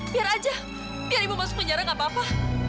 biar ibu masuk penjara gak apa apa